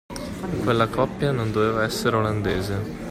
Quella coppia non doveva essere olandese.